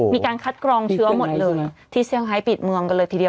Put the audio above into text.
มีการคัดกรองเชื้อหมดเลยที่เซียงไฮท์ปิดเมือง